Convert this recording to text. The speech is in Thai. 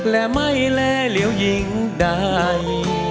และไม่และเหลี่ยวยิ่งใด